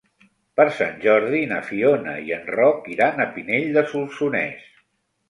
Per Sant Jordi na Fiona i en Roc iran a Pinell de Solsonès.